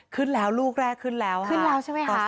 ขึ้นแล้วลูกแรกขึ้นแล้วค่ะขึ้นแล้วใช่ไหมคะ